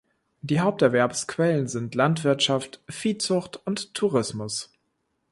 Die Haupterwerbsquellen sind Landwirtschaft, Viehzucht und Tourismus.